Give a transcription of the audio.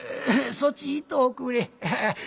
そっち行っとおくれ。